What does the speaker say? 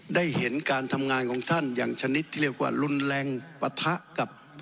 ได้เห็นการทำงานของท่านอย่างชนิดที่เรียกว่ารุนแรงปะทะกับ